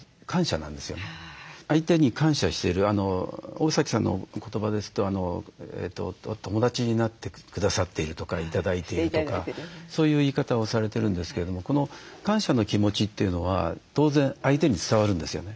大崎さんの言葉ですと「友だちになってくださっている」とか「頂いている」とかそういう言い方をされてるんですけれどもこの感謝の気持ちというのは当然相手に伝わるんですよね。